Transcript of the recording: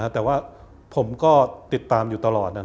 แต่ว่าผมก็ติดตามอยู่ตลอด